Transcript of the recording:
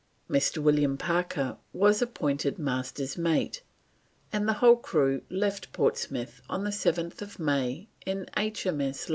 Mr. William Parker was appointed Master's mate, and the whole crew left Portsmouth on 7th May in H.